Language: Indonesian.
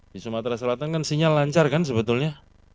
di sumatera selatan kan sinyal lancar kan sebetulnya